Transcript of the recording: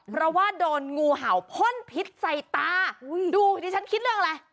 เพราะว่าโดนงูเห่าพ่นพิษใส่ตาดูดิฉันคิดเรื่องอะไร